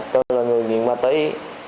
tôi là người nghiện ma túy